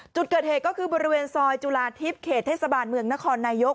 จุดเกิดเหตุก็คือบริเวณซอยจุฬาทิพย์เขตเทศบาลเมืองนครนายก